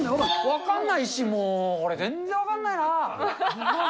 分かんないし、これ、全然分かんないな。